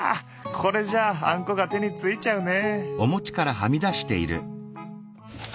これじゃあんこが手についちゃうね。